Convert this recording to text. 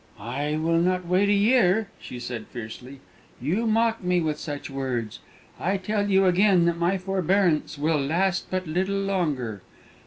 "I will not wait a year!" she said fiercely. "You mock me with such words. I tell you again that my forbearance will last but little longer.